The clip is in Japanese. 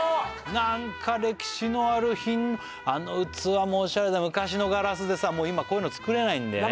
なんか歴史のあるあの器もおしゃれで昔のガラスでさもう今こういうの作れないんだよね